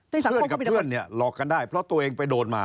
เพื่อนกับเพื่อนเนี่ยหลอกกันได้เพราะตัวเองไปโดนมา